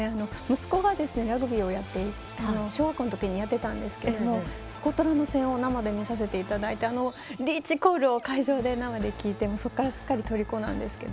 息子が、ラグビーを小学校の時やっていたんですけどもスコットランド戦を生で見させていただいたのをリーチコールを会場で生で聞いてそこから、すっかりとりこなんですが。